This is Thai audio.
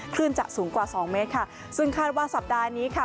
คลื่นจะสูงกว่าสองเมตรค่ะซึ่งคาดว่าสัปดาห์นี้ค่ะ